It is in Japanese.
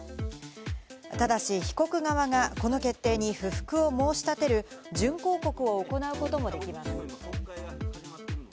ただし、被告側がこの決定に不服を申し立てる準抗告を行うこともできます。